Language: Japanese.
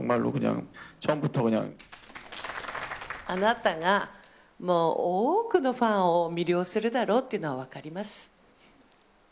あなたがもう、多くのファンを魅了するだろうっていうのは分かります。